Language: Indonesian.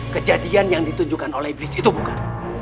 kejadian yang ditunjukkan oleh iblis itu bukan